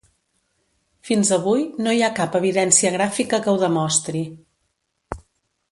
Fins avui, no hi ha cap evidència gràfica que ho demostri.